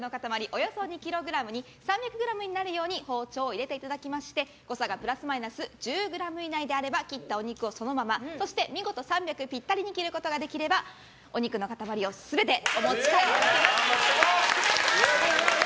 およそ２ｋｇに３００ｇになるように包丁を入れていただきまして誤差がプラスマイナス１０ｇ以内であれば切ったお肉をそのままそして見事３００ｇぴったりに切ることができればお肉の塊を全てお持ち帰りいただけます。